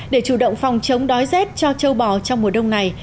để chủ động phòng chống đói rét cho châu bò trong mùa đông này